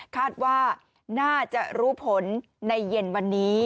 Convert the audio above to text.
คาดว่าน่าจะรู้ผลในเย็นวันนี้